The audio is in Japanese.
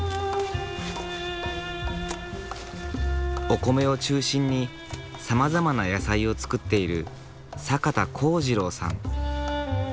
お米を中心にさまざまな野菜を作っている坂田耕次郎さん。